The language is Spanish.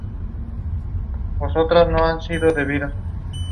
Se trasladó definitivamente a Argentina donde recibió la consagración de su carrera.